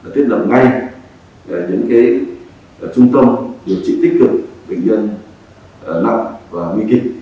tiết lập ngay những trung tâm điều trị tích cực bệnh nhân nặng và nguy kịch